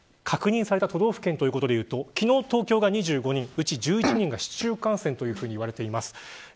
確認された都道府県でいうと昨日、東京が２５人うち１７人が市中感染といわれています。